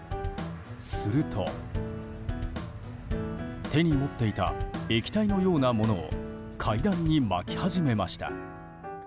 すると、手に持っていた液体のようなものを階段にまき始めました。